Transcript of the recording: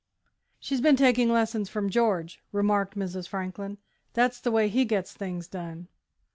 "She's been taking lessons from George," remarked Mrs. Franklin. "That's the way he gets things done."